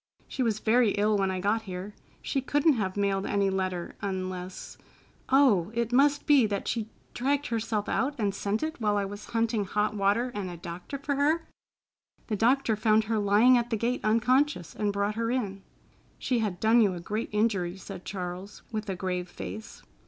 She was very ill when I got here. She couldn't have mailed any letter, unless—— Oh, it must be that she dragged herself out and sent it while I was hunting hot water and a doctor for her? The doctor found her lying at the gate unconscious, and brought her in." "She had done you a great injury," said Charles, with a grave face.